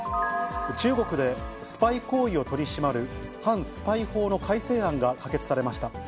中国でスパイ行為を取り締まる反スパイ法の改正案が可決されました。